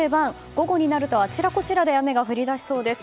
午後になるとあちらこちらで雨が降りだしそうです。